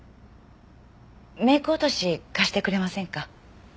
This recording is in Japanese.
メイク落とし貸してくれませんか？